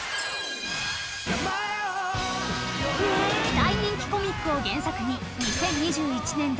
大人気コミックを原作に２０２１年度